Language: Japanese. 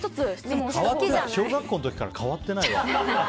小学校の時から変わってないわ。